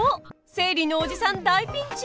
生理のおじさん大ピンチ！